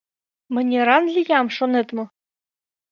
Мынеран лиям, шонет мо?